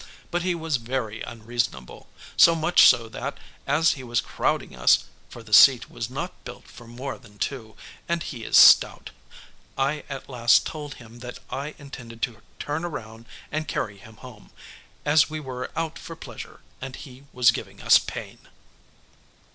But he was very unreasonable; so much so that, as he was crowding us for the seat was not built for more than two, and he is stout I at last told him that I intended to turn around and carry him home, as we were out for pleasure, and he was giving us pain.